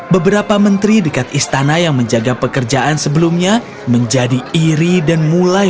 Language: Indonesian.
beberapa menteri dekat istana yang menjaga pekerjaan sebelumnya menjadi iri dan mulai